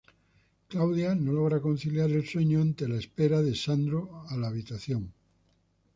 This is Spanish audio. Claudia no logra conciliar el sueño ante la espera de Sandro a la habitación.